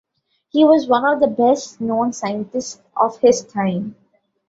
He was one of the best known scientists of his time.